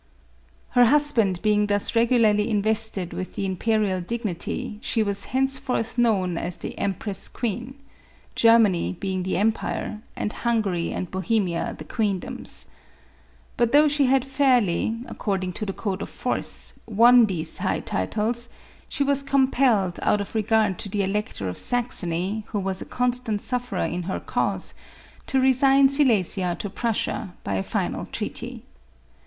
Her husband being thus regularly invested with the imperial dignity, she was henceforth known as the " Empress queen," Germany being the empire, and Hungary and Bohemia the queendoms. But though she had fairly, according to the code of force, won these high titles, she was compelled, out of regard to the Elector of Saxony, who was a constant sufferer in her cause, to resign Silesia to Prussia, by a final treaty.